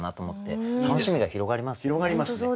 楽しみが広がりますね。